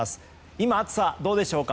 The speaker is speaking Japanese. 今、暑さはどうでしょうか？